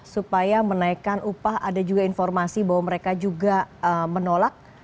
supaya menaikkan upah ada juga informasi bahwa mereka juga menolak